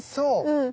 うん。